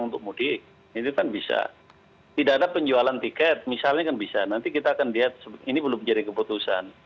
untuk mudik itu kan bisa tidak ada penjualan tiket misalnya kan bisa nanti kita akan lihat ini belum jadi keputusan